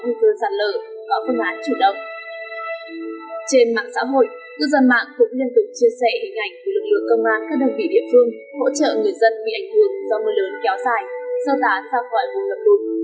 hỗ trợ người dân bị ảnh hưởng do mưa lớn kéo dài sâu tát ra khỏi vùng lập tục